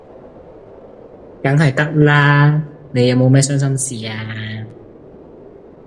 梗係得啦，你有冇咩傷心事啊？